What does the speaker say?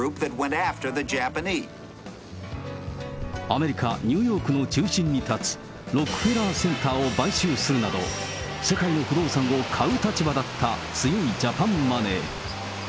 アメリカ・ニューヨークの中心に建つロックフェラーセンターを買収するなど、世界の不動産を買う立場だった強いジャパンマネー。